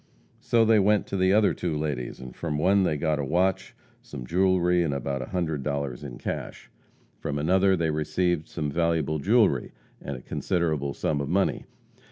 So they went to the other two ladies, and from one they got a watch, some jewelry, and about one hundred dollars in cash. From another they received some valuable jewelry, and a considerable sum of money.